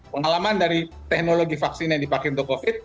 pengalaman dari teknologi vaksin yang dipakai untuk covid